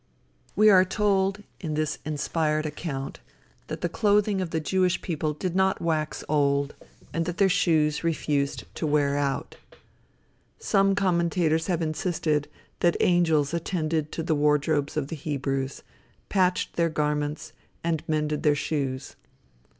We are told, in this inspired account, that the clothing of the Jewish people did not wax old, and that their shoes refused to wear out. Some commentators have insisted that angels attended to the wardrobes of the Hebrews, patched their garments, and mended their shoes.